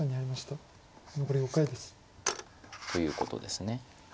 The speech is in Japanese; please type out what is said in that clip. ということです。